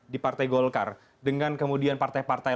di partai golkar dengan kemudian partai partai